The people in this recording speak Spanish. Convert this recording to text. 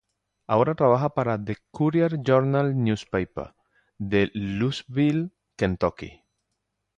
Ahora trabaja para "The Courier-Journal Newspaper" de Louisville, Kentucky.